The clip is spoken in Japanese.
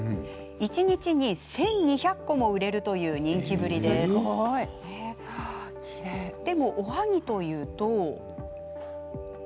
一日に１２００個も売れるという人気ぶりですがおはぎというと。